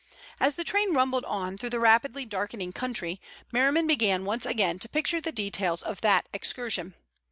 As the train rumbled on through the rapidly darkening country Merriman began once again to picture the details of that excursion.